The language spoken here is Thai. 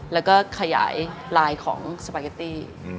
แล้วก็ขยายลายของสปาเกตตี้